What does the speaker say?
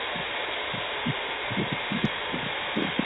祖父许恭。